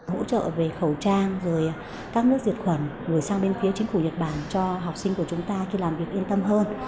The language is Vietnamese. hỗ trợ về khẩu trang rồi các nước diệt khuẩn rồi sang bên phía chính phủ nhật bản cho học sinh của chúng ta khi làm việc yên tâm hơn